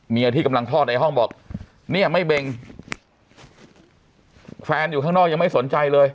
ที่กำลังคลอดในห้องบอกเนี่ยไม่เบงแฟนอยู่ข้างนอกยังไม่สนใจเลย